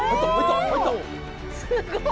すごい！